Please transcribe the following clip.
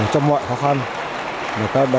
trong mọi khó khăn